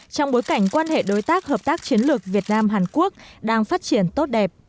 trong bối cảnh quan hệ đối tác hợp tác chiến lược việt nam hàn quốc đang phát triển tốt đẹp